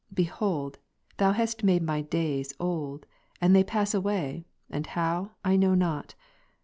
Behold, Thou hast made my days old, and they pass away, and how, I know not.